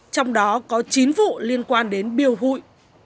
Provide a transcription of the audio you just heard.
trong đó có chín vụ liên quan đến biêu hụi